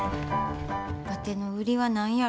わての売りは何やろか？